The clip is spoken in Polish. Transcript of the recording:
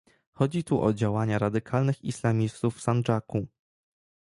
Chodzi tu o działania radykalnych islamistów w Sandżaku